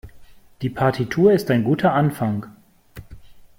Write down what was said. Die Partitur ist ein guter Anfang.